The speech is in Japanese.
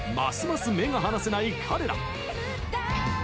ます目が離せない彼ら。